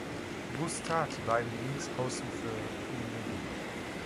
Brustad war ein Linksaußen für Lyn.